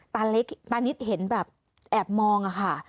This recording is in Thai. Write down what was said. ตานิศเห็นแบบแอบมองอ่ะค่ะ